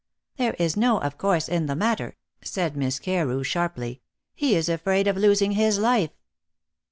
"There is no 'of course' in the matter," said Miss Carew sharply; "he is afraid of losing his life."